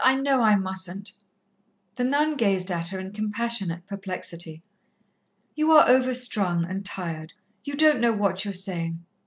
I know I mustn't." The nun gazed at her in compassionate perplexity. "You are overstrung, and tired; you don't know what you are saying.